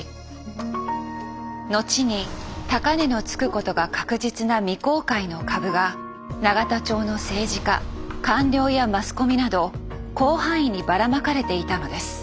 のちに高値のつくことが確実な未公開の株が永田町の政治家官僚やマスコミなど広範囲にばらまかれていたのです。